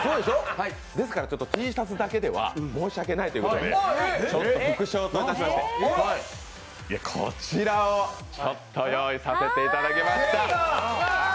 ですから、Ｔシャツだけでは申し訳ないということで副賞といたしまして、こちらを用意させていただきました。